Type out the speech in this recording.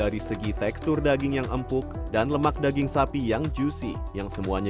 dan kekhasan dari segi tekstur daging yang empuk dan lemak daging sapi yang juicy yang semuanya